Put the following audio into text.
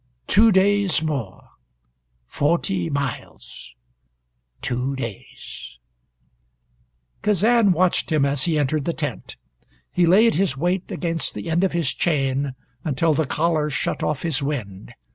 Two days more forty miles two days " Kazan watched him as he entered the tent. He laid his weight against the end of his chain until the collar shut off his wind.